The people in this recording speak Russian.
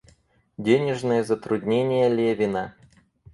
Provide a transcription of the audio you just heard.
Денежные затруднения Левина.